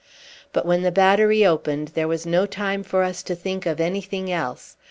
But when the battery opened there was no time for us to think of anything else.